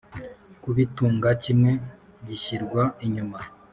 kubitunga kimwe gishyirwa inyuma